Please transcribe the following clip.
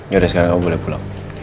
yaudah sekarang kamu boleh pulang